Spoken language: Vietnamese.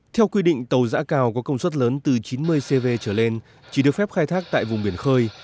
theo quy định tàu giã cào có công suất lớn từ chín mươi cv trở lên chỉ được phép khai thác tại vùng biển khơi